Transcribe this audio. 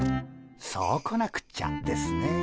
そうこなくっちゃですね。